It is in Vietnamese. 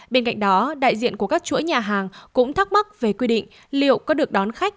bên cạnh đó đại diện của các chuỗi nhà hàng cũng thắc mắc về quy định liệu có được đón khách